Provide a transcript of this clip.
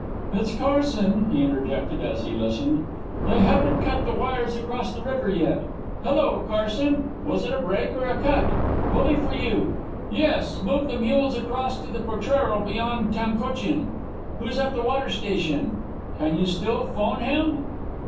"It's Carson," he interjected, as he listened. "They haven't cut the wires across the river yet. Hello, Carson. Was it a break or a cut? ... Bully for you.... Yes, move the mules across to the potrero beyond Tamcochin.... Who's at the water station? ... Can you still 'phone him?